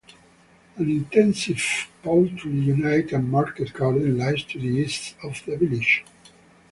An intensive poultry unit and market garden lies to the east of the village.